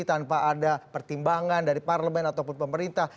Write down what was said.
tanpa ada pertimbangan dari parlemen ataupun pemerintah